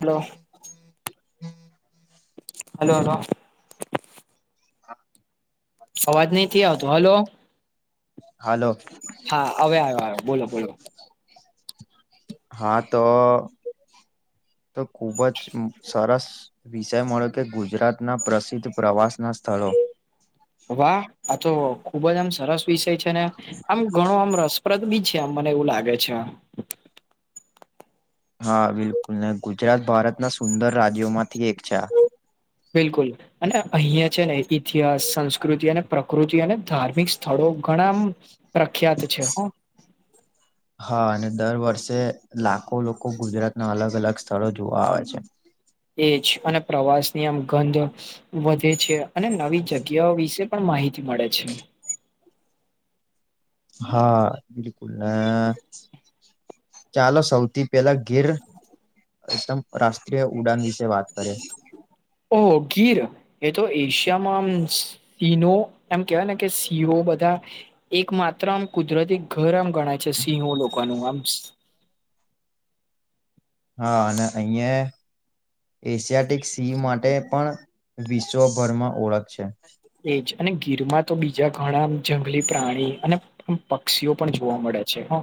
Hello હમ હમ [unintelligible] hello hello હા [unintelligible] અવાજ નહ આવતો હલો હાલો હા હવે આવ્યો આવ્યો બોલો બોલો હા તો તો ખુબ જ સરસ વિષય મળ્યો કે ગુજરાતના પ્રસિદ્ધ પ્રવાસના સ્થળો વાહ આ તો ખુબ જ આમ સરસ વિષય છે ને આમ ઘણો આમ રસ પ્રદ બી છે આમ મને એવું લાગે છે હા બિલકુલ ગુજરાત ભારતના સુંદર રાજ્યો માંથી એક છે બિલકુલ અને અહિયાં છે ને ઇતિહાસ સંસ્કૃતિ અને પ્રકૃતિ અને ધાર્મિક સ્થળો ઘણા પ્રખ્યાત છે હ [inaudible] હા અને દર વર્ષે લાખો લોકો ગુજરાતના અલગ અલગ સ્થળો જોવા આવે છે એ જ અને પ્રવાસની આમ ગંધ વધે છે અને નવી જગ્યાઓ વિશે પણ માહિતી મળે છે હા બિલકુલ ચાલો સૌથી પેલા ગીર એકદમ રાષ્ટ્રીય ઉડાન વિશે વાત કરીે ઓહ ગીર એ તો એશિયામાંમ શિનો એમ કેવાય ને કે શીરો બધા એક માત્ર આમ કુદરતી ઘર આમ ગણાય છે સિંહો લોકોનું આમ હા અને અહિયાં એશિયાટિક સી માટે પણ વિશ્વભરમાં ઓળખ છે. એજ અને ગીરમાં તો બીજા ઘણા જંગલી પ્રાણી અને મ પક્ષીઓ પણ જોવા મળે છે હ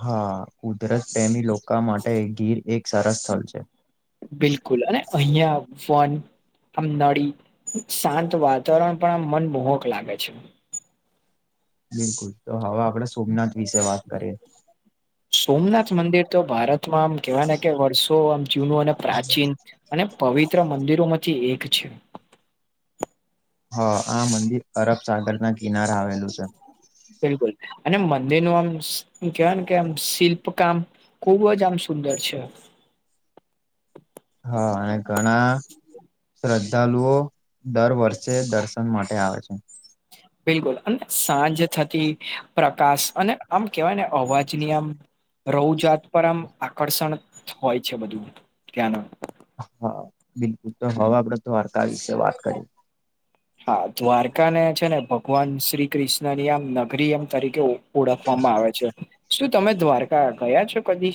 હા કુદરત પ્રેમી લોકો માટે ગીર એક સરસ સ્થળ છે બિલકુલ અને અહિયાં ફન આમ નળી શાંત વાતાવરણ પણ આમ મનમોહક લાગે છે બિલકુલ તો હવે આપણે સોમનાથ વિશે વાત કરીએ સોમનાથ મંદિર તો ભારતમાં આમ કેહેવા ને કે વર્ષો આમ જૂનું અને પ્રાચીન અને પવિત્ર મંદિરોમાંથી એક છે હા આ મંદિર અરબ સાગર ના કિનારે આવેલું છે બિલકુલ અને મંદિર નું આમ કહેવાય ને કે આમ શિલ્પ કામ ખુબ જ આમ સુંદર છે. હા અને ઘણા શ્રદ્ધાલુઓ દર વર્ષે દર્શન માટે આવે છે. બિલકુલ અને સાંજ થતી પ્રકાશ અને આમ કેવાય ને અવાજની આમ રહવુ જાત પર આમ આકર્ષણ હોય છે બધું ત્યાંનું હા બિલકુલ તો હવે આપડે દ્વારકા વિશે વાત કરીએ હા દ્વારકા ને છે ને ભગવાન શ્રી કૃષ્ણ ની આમ નગરી એમ તરીકે ઓળખવામાં આવે છે શું તમે દ્વારકા ગયા છો કદી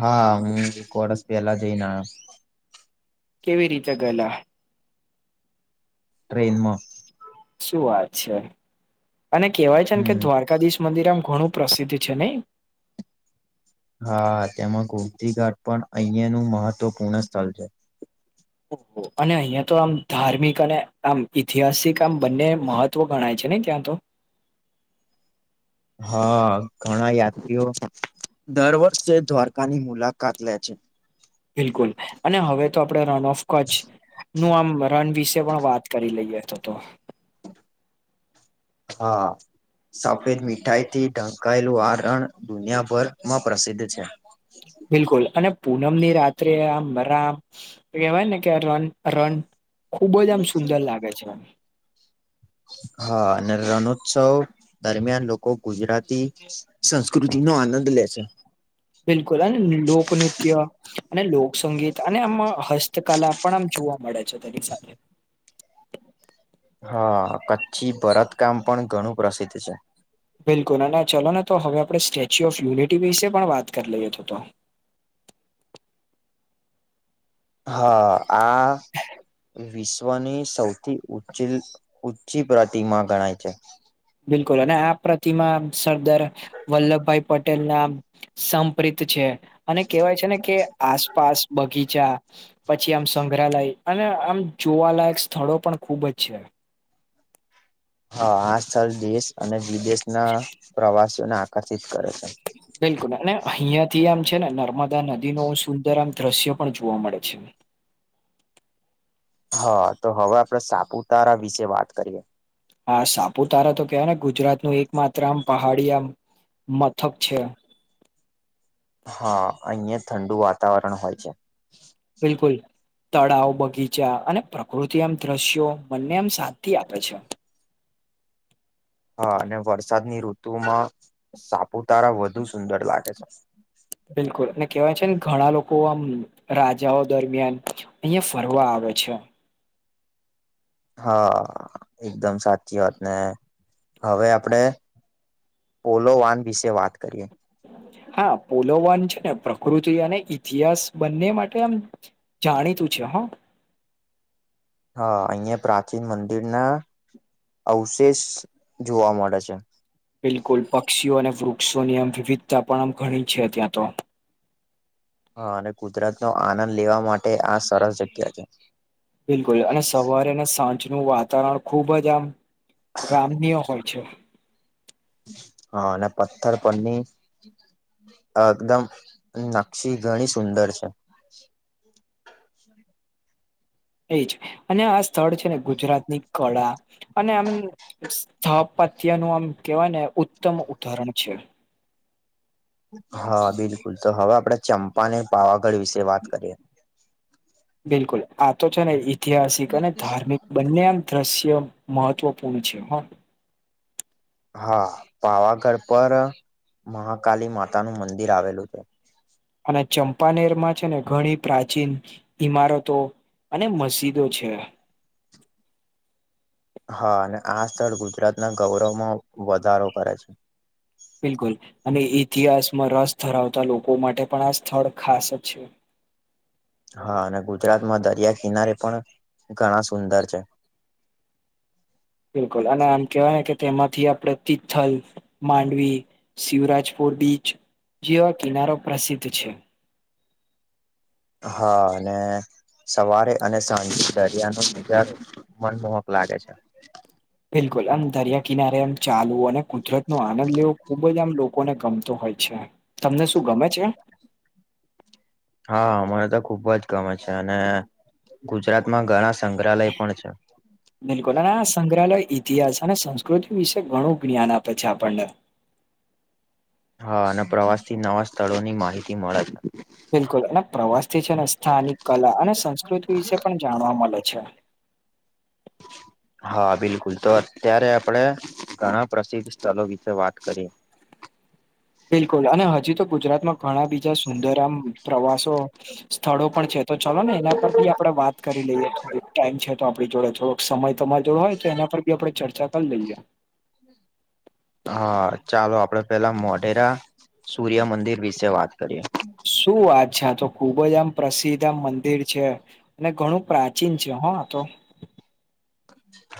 હા હું એક વર્ષ પેલા જઈને આયો કેવી રીતે ગેલા ટ્રેનમાં શું વાત છે અને કેહેવાય છે ને કે હમ દ્વારકાધીશ મંદિર આમ ઘણું પ્રસિદ્ધ છે નહી હા તેમાં ગોમતી ઘાટ પણ અહિયાં નું મહત્વપૂર્ણ સ્થળ છે. અને અહિયાં તો આમ ધાર્મિક અને આમ ઇતિહાસિક આમ બંને મહત્વ ગણાય છે ને ત્યાં તો હા ઘણા યાત્રીઓ દર વર્ષે દ્વારકાની મુલાકાત લે છે. બિલકુલ અને હવે તો આપડે રન ઓફ કચ્છ નું આમ રન વિશે પણ વાત કરી લઈએ તો તો હા. સફેદ મીઠાઈ થી ઢંકાયેલું આ રણ દુનિયાભર માં પ્રસિદ્ધ છે. બિલકુલ અને પૂનમની રાત્રે આમ મારા આમ કહેવાય ને કે રણ રન ખુબ જ આમ સુંદર લાગે છે એમ હા અને રણોત્સવ દરમિયાન લોકો ગુજરાતી સંસ્કૃતિ નો આનંદ લે છે. બિલકુલ હ લોક નૃત્ય અને લોકસંગીત અને આમ હસ્તકલા પણ આમ જોવા મળે છે તેની સાથે હા કચ્છી ભરત કામ પણ ઘણું પ્રસિદ્ધ છે. બિલકુલ અને ચલો ને તો હવે આપણે સ્ટેચ્યુ ઓફ યુનિટી વિશે પણ વાત કરી લઈએ તો તો હા આ વિશ્વની સૌથી ઉ ઊંચી પ્રતિમા ગણાય છે. બિલકુલ અને આ પ્રતિમા સરદાર વલ્લભભાઈ પટેલ ના સંપ્રિત છે અને કહેવાય છે ને કે આસપાસ બગીચા પછી આમ સંગ્રહાલય અને આમ જોવાલાયક સ્થળો પણ ખુબ જ છે. હા આ સ્થળ દેશ અને વિદેશના પ્રવાસીઓને આકર્ષિત કરે છે. બિલકુલ અને અહિયાં થી આમ છે ને નર્મદા નદી નું સુંદર આમ દ્રશ્ય પણ જોવા મળે છે. હા તો હવે આપડે સાપુતારા વિશે વાત કરીએ. હા સાપુતારા તો કેવાય ને ગુજરાત નું એક માત્ર આમ પહાડી આમ મથક છે. હા અહીંયા ઠંડુ વાતાવરણ હોય છે. બિલકુલ તળાવ બગીચા અને પ્રકૃતિ એમ દ્રશ્યો મને એમ સાાંતિ આપે છે હા અને વરસાદની ઋતુમાં સાપુતારા વધુ સુંદર લાગે છે બિલકુલ અને કેહેવાય છે ને ઘણા લોકો આમ રાજાઓ દરમિયાન અહિયાં ફરવા આવે છે હા એકદમ સાચી વાત ને હવે આપડે પોલો વાન વિશે વાત કરીએ હા પોલોવાન છે ને પ્રકૃતિ અને ઇતિહાસ બંને માટે આમ જાણીતું છે હા હા અહિયાં પ્રાચીન મંદિર ના અવશેષ જોવા મળે છે બિલકુલ પક્ષીઓ અને વૃક્ષોની આમ વિવિધતા પણ આમ ઘણી છે ત્યાં તો હા અને ગુજરાતનોો આનંદ લેવા માટે આ સરસ જગ્યા છે બિલકુલ અને સવારે અને સાંજ ન વાતાવરણ ખુબ જ આમ રામનીઓ હોય છે હા અને પથ્થર પની એકદમ નશી ઘણી સુંદર છે એ જ અને આ સ્થળ છે ને ગુજરાતની કળા અને આમ સ્પ પત્યા નું આમ કવાય ને ઉત્તમ ઉદાહરણ છે હા બિલકુલ તો હવે આપડે ચંપાને પાવાગઢ વિશે વાત કરીએ બિલકુલ આ તો છે ને ઈતિહાસિક અને ધાર્મિક બંને આમ ત મહત્ત્વપૂર્ણ છે હા હા પાવાગઢ પર મહાકાલી માતા નું મંદિર આવેલું છે અને ચંપાનેર માં છે ને ઘણી પ્રાચીન ઈમારતો અને મસ્જિદો છે હા અને આ સ્થળ ગુજરાતના ગૌરવમાં વધારો કરે છે બિલકુલ અને ઈતિહાસમાં રસ ધરાવતા લોકો માટે પણ આ સ્થળ ખાસ જ છે હા અને ગુજરાતમાં દરિયા કિનારે પણ ઘણા સુંદર છે બિલકુલ અને કેવાય ને કે તેમાંથી આપડણે તિથલ માંડવી શિવરાજપુર બીચ જેવા કિનારો પ્રસિદ્ધ છે હા અને સવારે અને સાંજે દરિયાનો બજ મનમ લાગે છે બિલકુલ આમ દરિયા કિનારે એમ ચાલવું અને કુદરત નો આનંદ લેવો ખુબ જ આમ લોકોને ગમતો હોય છે તમને શું ગમે છે હા મમને તો ખુબ જ ગમે છે અને ગુજરાતમાં ઘણા સંગ્રહાલય પણ છે બિલકુલ અને આ સંગ્રહાલય ઇતિહાસ અને સંસ્કૃતિ વિશે ઘણું જ્ઞાન આપે છે આપણને હા અને પ્રવાસ થી નવા સ્થળોની માહિતી મળે બિલકુલ અને પ્રવાસથી છે ને સ્થાનિક કલા અને સંસ્કૃતિ વિશે પણ જાણવા મળે છે હા બિલકુલ તો અત્યારે આપણે ઘણા પ્રસિદ્ધ સ્થળો વિશે વાત કરીએ બિલકુલ અને હજી તો ગુજરાતમાં ઘણા બીજા સુંદર આમ પ્રવાસો સ્થળો પણ છે તો ચાલો ને એના પર આપડે વાત કરી લઈએ ટાઈમ છે તો આપડી જોડે થોડોક સમય તમારી જોડે હોય તો એના પર બી આપડે ચર્ચા કરી લઈએ હા ચાલો આપડે પેલા મોઢેરા સૂર્યમંદિર વિશે વાત કરીએ શું વાત છે આ તો ખુબ જ આમ પ્રસિદધ આમ મંદિર છે અને ઘણું પ્રાચીન છે હા તો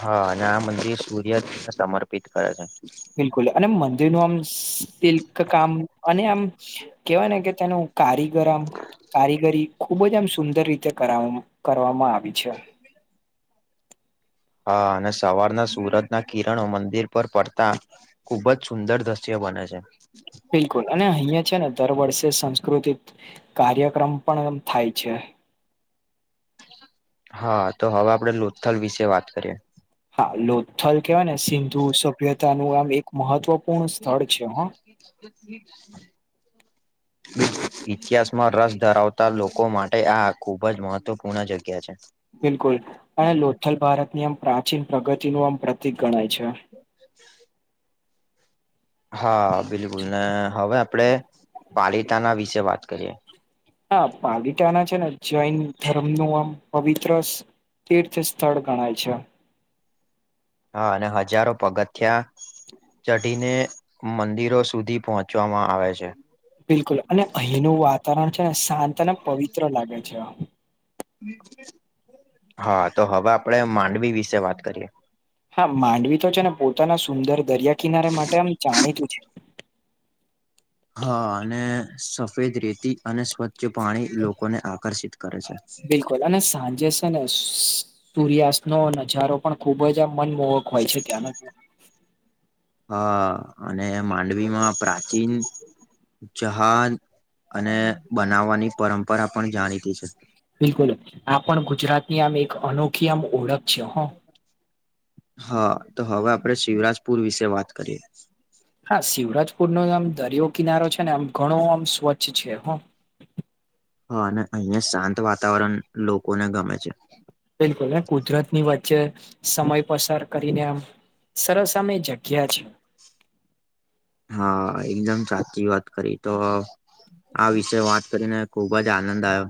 હા અને આ મંદિર સૂર્ય સમર્પિત કરે છે બિલકુલ અને મંદિર ન આમ તલક કામ અને આમ કેવાય ને કે તેનું કારીગરમ કારીગરી ખુબ જ આમ સુંદર રીતે કર કરવામાં આવી છે [inaudible] હ અને સવારના સુરત ના કિરણ મંદિર પર પડતા ખુબ જ સુંદર દ્રશ્ય બને છે બિલકુલ અને અહિયાં છે ને દર વર્ષે સંસ્કૃતિક કાર્યક્રમ પણ થાય છે હા તો હવે આપડે લોથથલ વિશે વાત કરીએ હા લોથલ કેહેવાય ને સિંધુ સભ્યતા નું આમ એક મહત્વપૂર્ણ સ્થળ છે હ [inaudible] ઇતિહાસમાં રસ ધરાવતા લોકો માટે આ ખૂબ જ મહત્વપૂર્ણ જગ્યા છે બિલકુલ અને લોથલ ભારતની આમ પ્રાચીન પ્રગતિ નું આમ પ્રતિક ગણાય છે [inaudible] હા બિલકુલ ને હવે આપડે પાલીતાના વિશે વાત કરીએ હા પાલતાા ના છે ને જૈન ધર્મ નું આમ પવિત્ર તીર્થ સ્થળ ગણાય છે હા અને હજારો પગથ થયા ચઢીને મંદિરો સુધી પહોંચવામાં આવે છે બિલકુલ અને અહીંનું વાતાવરણ છેને શાંત અને પવિત્ર લાગે છે હા તો હવે આપડે માંડવી વિશે વાત કરીયએ હા માંડવી તો છે ને પોતાના સુંદર દરિયા કિનારે માટે આમ જાણીતું છે હા અને સફેદ રેતી અને સ્વચ્છ જે પાણી લોકોને આકર્ષિત કરે છે ને સાંજે છે ને સૂર્યાસ્ત નો નજારો પણ ખુબ જ આ મનમોહક હોય છે ત્યાં હા અને માંડવીમાં પ્રાચીન જહાાન અને બનાવવાની પરંપરા પણ જાણીતી છે બિલકુલ આ પણ ગુજરાતની આમ એક અનોખી આમ ઓળખ છે હ હા તો હવે આપડે શિવરાજપુર વિશે વાત કરીએ હા શિવરાજપુર નો આમ દરિયો કિનારો છે ને આમ ઘણો આમ સ્વચ્છ છે હ હા અને અહિયાં શાંત વાતાવરણ લોકોને ગમે છે બિલકુલ કુદરત ની વચ્ચે સમય પસાર કરીને આમ સરસ અમે જગ્યા છે હા એકદમ સાચી વાત કરી તો આ વિષ વાત કરીને ખુબ જ આનંદ આવ્યો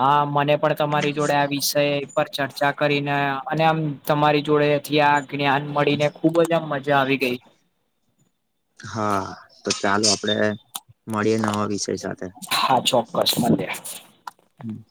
હા મને પણ તમારી જોડે આ વિષય પર ચર્ચા કરીને અને આમ તમારી જોડે થી આ જ્ઞાન મળીને ખુબ જ આમ મજા આવી ગઈ હા તો ચાલો આપડે મળીએ નવા વિષય સાથે હા ચોક્કસ મંદ હમ